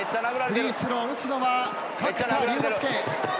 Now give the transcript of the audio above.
フリースロー打つのは角田竜之介。